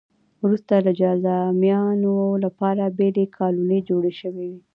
وروسته د جذامیانو لپاره بېلې کالونۍ جوړې شوې.